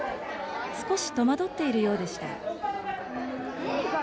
少し戸惑っているようでした。